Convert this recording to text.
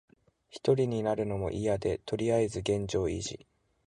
ひとりになるのもいやで、とりあえず現状維持。